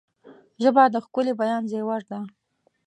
ژبه د ښکلي بیان زیور ده